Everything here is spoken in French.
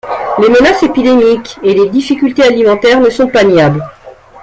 Les menaces épidémiques et les difficultés alimentaires ne sont pas niables.